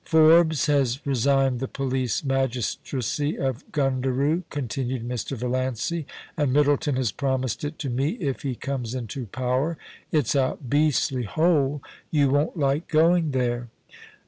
' Forbes has resigned the police magistracy of Gundaroo,* continued Mr. Valiancy, * and Middleton has promised it to me, if he comes into power. It's a beastly hole. You won't like going there.